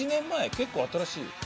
結構新しい。